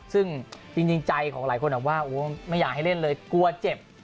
ซึ่งจริงใจของหลายคนว่าไม่อยากให้เล่นเลยกลัวเจ็บ